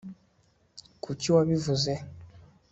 kuki wabivuze